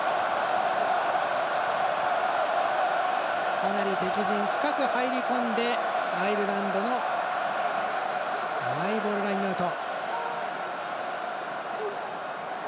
かなり敵陣深く入り込んでアイルランドのマイボールラインアウト。